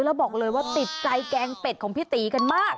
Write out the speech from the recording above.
แล้วบอกเลยว่าติดใจแกงเป็ดของพี่ตีกันมาก